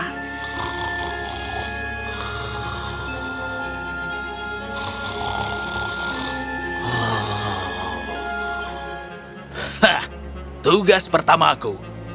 hah tugas pertama aku